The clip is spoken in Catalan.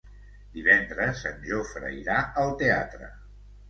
Divendres en Jofre irà al teatre.